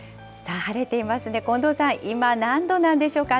晴れていますね、近藤さん、今、何度なんでしょうか。